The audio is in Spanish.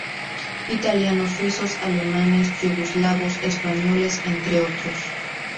Italianos, Suizos, Alemanes, Yugoslavos, Españoles, entre otros.